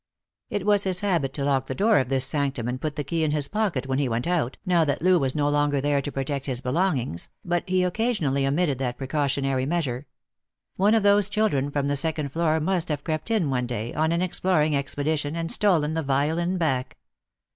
It was his habit to lock the door of this sanctum and put the key in his pocket when he went out, now that Loo was no longer there to protect his belongings, but he occasionally omitted that precautionary measure. One of those children from the second floor must have crept in one day, on an ex ploring expedition, and stolen the violin back.